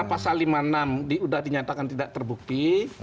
pasal lima puluh enam sudah dinyatakan tidak terbukti